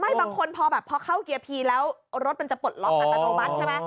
ไม่บางคนพอเข้าเกียร์พีแล้วรถมันจะปลดล็อกกันประโดยบัตรใช่ไหม